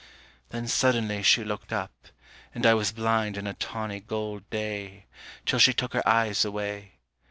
Then suddenly she looked up, And I was blind in a tawny gold day, Till she took her eyes away.